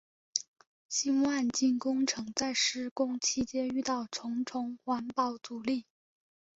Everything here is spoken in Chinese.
新万金工程在施工期间遇到重重环保阻力。